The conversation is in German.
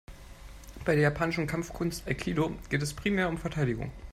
Bei der japanischen Kampfkunst Aikido geht es primär um Verteidigung.